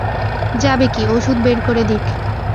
যাবে কী, ওষুধ বের করে দিক।